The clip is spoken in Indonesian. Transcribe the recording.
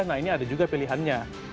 nah ini ada juga pilihannya